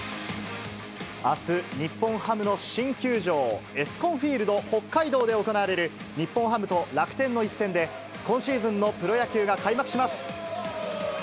あす、日本ハムの新球場、エスコンフィールドホッカイドウで行われる日本ハムと楽天の一戦で、今シーズンのプロ野球が開幕します。